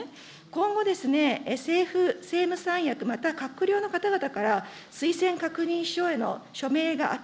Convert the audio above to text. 今後、政務三役、または閣僚の方々から、推薦確認書への署名が明